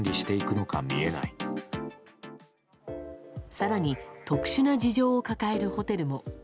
更に特殊な事情を抱えるホテルも。